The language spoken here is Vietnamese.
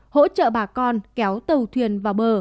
hỗ trợ bà con kéo tàu thuyền vào bờ